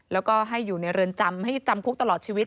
แล้วก็ให้อยู่ในเรือนจำให้จำคุกตลอดชีวิต